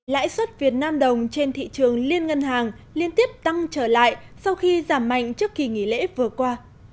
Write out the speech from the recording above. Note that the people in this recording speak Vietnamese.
lãi suất việt nam đồng trên thị trường liên ngân hàng liên tiếp tăng trở lại sau khi giảm mạnh trước kỳ nghỉ lễ vừa qua